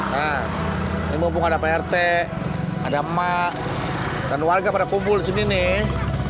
nah ini mumpung ada prt ada emak dan warga pada kumpul di sini nih